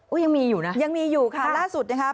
ยังมีอยู่นะยังมีอยู่ค่ะล่าสุดนะคะ